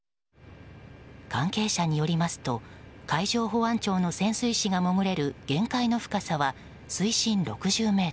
関係者によりますと海上保安庁の潜水士が潜れる限界の深さは水深６０ｍ。